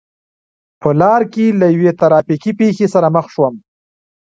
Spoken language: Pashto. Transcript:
په لار کې له یوې ترا فیکې پېښې سره مخ شوم.